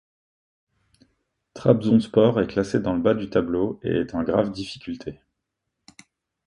Trabzonspor est classé dans le bas de tableau et est en grave difficulté.